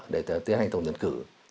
để tiến hành tổng tuyển cử